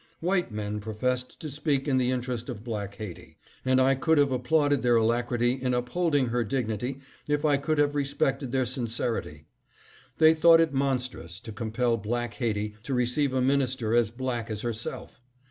White men professed to speak in the interest of black Haiti ; and I could have applauded their alac rity in upholding her dignity if I could have respected their sincerity. They thought it monstrous to compel black Haiti to receive a minister as black as herself.